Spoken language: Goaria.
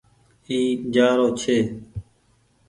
اي جآرو ڇي۔